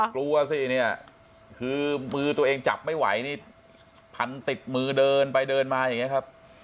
กลัวสิเนี่ยคือมือตัวเองจับไม่ไหวนี่พันติดมือเดินไปเดินมาอย่างนี้ครับ